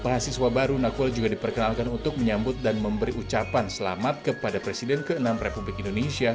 mahasiswa baru naquel juga diperkenalkan untuk menyambut dan memberi ucapan selamat kepada presiden ke enam republik indonesia